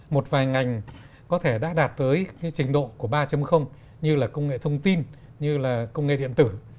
một vài ngành có thể đã đạt tới cái trình độ của ba như là công nghệ thông tin như là công nghệ điện tử